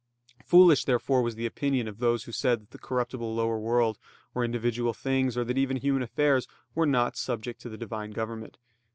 Foolish therefore was the opinion of those who said that the corruptible lower world, or individual things, or that even human affairs, were not subject to the Divine government.